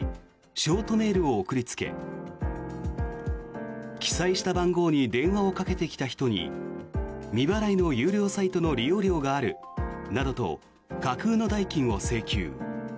ショートメールを送りつけ記載した番号に電話をかけてきた人に未払いの有料サイトの利用料があるなどと架空の代金を請求。